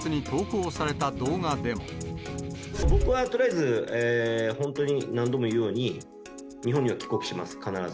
僕はとりあえず、本当に何度も言うように、日本には帰国します、必ず。